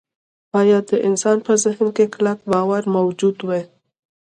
باید د انسان په ذهن کې کلک باور موجود وي